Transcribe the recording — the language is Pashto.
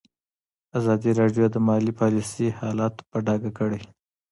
ازادي راډیو د مالي پالیسي حالت په ډاګه کړی.